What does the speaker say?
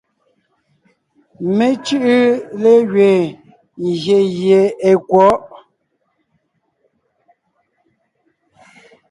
Mé cʉ́ʼʉ légẅiin ngyè gie è kwɔ̌ʼ.